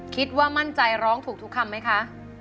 คิดว่ามั่นใจร้องถูกทุกคำไหมคะ